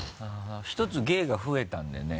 １つ芸が増えたんでね。